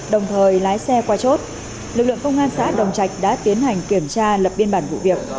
đồng thời lái xe qua chốt lực lượng công an xã đồng trạch đã tiến hành kiểm tra lập biên bản vụ việc